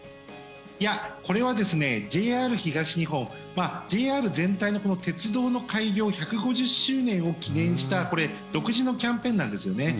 いや、これはＪＲ東日本ＪＲ全体の鉄道の開業１５０周年を記念した独自のキャンペーンなんですよね。